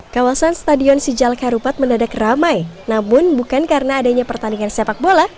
kawasan stadion sijal karupat mendadak ramai namun bukan karena adanya pertandingan sepak bola